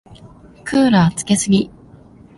クーラーつけすぎ。